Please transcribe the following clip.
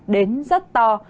đến rất to